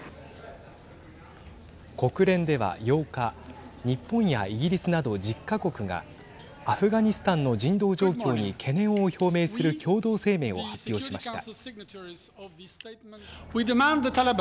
国連では８日日本やイギリスなど１０か国がアフガニスタンの人道状況に懸念を表明する共同声明を発表しました。